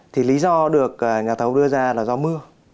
thì lý do được nhà thầu đưa ra là do mưa